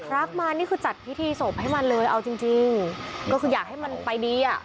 รักมันนี่คือจัดพิธีศพให้มันเลยเอาจริงจริงก็คืออยากให้มันไปดีอ่ะ